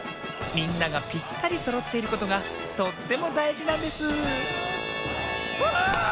みんながぴったりそろっていることがとってもだいじなんですあ！